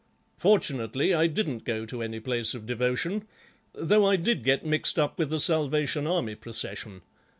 Fortunately, I didn't go to any place of devotion, though I did get mixed up with a Salvation Army procession.